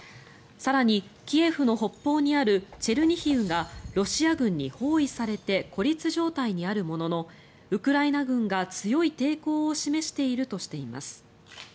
更にキエフの北方にあるチェルニヒウがロシア軍に包囲されて孤立状態にあるもののウクライナ軍が強い抵抗を示しているとしています。